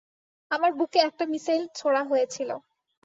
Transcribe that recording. আমার বুকে একটা মিসাইল ছোঁড়া হয়েছিল।